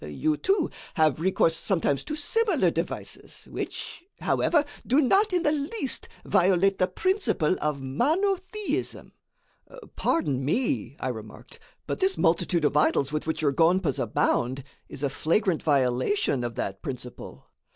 You, too, have recourse sometimes to similar devices, which, however, do not in the least violate the principle of monotheism." "Pardon me," I remarked, "but this multitude of idols with which your gonpas abound, is a flagrant violation of that principle."